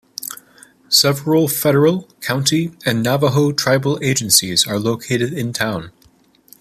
Several Federal, County and Navajo tribal agencies are located in town.